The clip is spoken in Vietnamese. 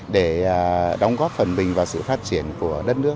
để đóng góp phần mình vào sự phát triển của đất nước